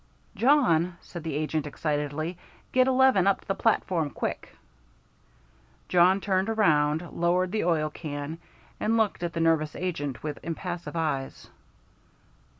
"Jawn," said the agent, excitedly, "get eleven up to the platform quick!" Jawn turned around, lowered the oil can, and looked at the nervous agent with impassive eyes.